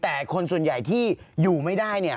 แต่คนส่วนใหญ่ที่อยู่ไม่ได้